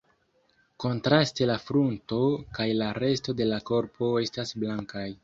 Kontraste la frunto kaj la resto de la korpo estas blankaj.